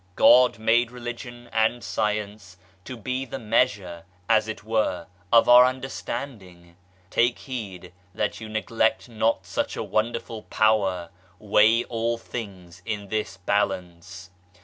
God made Religion and Science to be the measure, as it were, of our understanding. Take heed that you neg lect not such a wonderful power. Weigh all things in this balance.